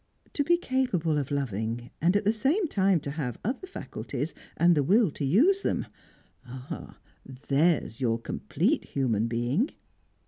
To be capable of loving, and at the same time to have other faculties, and the will to use them ah! There's your complete human being."